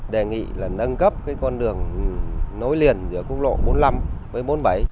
đề nghị là nâng cấp con đường nối liền giữa quốc lộ bốn mươi năm với bốn mươi bảy